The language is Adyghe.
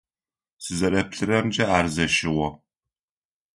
Сызэреплъырэмкӏэ ар зэщыгъо.